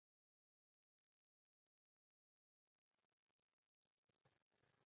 La pintura de Roberto Matta que adornaba el interior no resultó dañada.